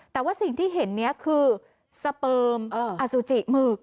แต่ว่าสิ่งที่เห็นนี้คือสเปิมอสุจิหมึก